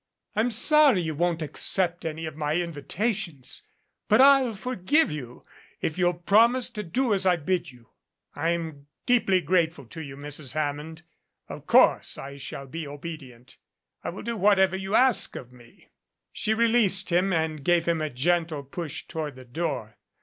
I'm sorry you won't accept any of my invitations but I'll forgive you, if you'll promise to do as I bid you." "I'm deeply grateful to you, Mrs. Hammond. Of course, I shall be obedient. I will do whatever you ask of me." She released him and gave him a gentle push toward the door.